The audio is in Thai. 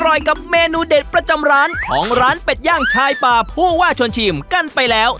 อร่อยกับเมนูเด็ดประจำร้านของร้านเป็ดย่างชายป่าผู้ว่าชวนชิมกันไปแล้ว